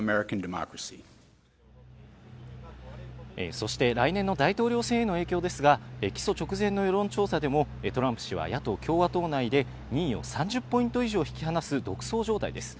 そして来年の大統領選への影響ですが、起訴直前の世論調査でもトランプ氏は野党共和党内で２位を３０ポイント以上引き離す、独走状態です。